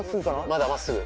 まだ真っすぐ。